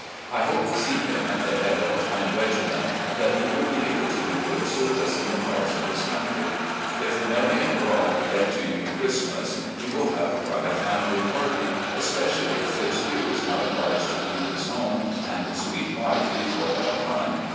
I hope to see him at the head of a fine regiment and that he will be able to do good service in the cause of his cotmtry. If Mary and Rob get to you Christmas, you will have quite a family party, especially if Fitzhugh is not obliged to leave his home and sweet wife before that time.